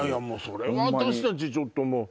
それは私たちちょっともう。